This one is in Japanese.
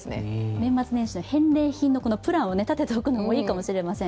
年末年始の返礼品のプランを立てておくのもいいかもしれません。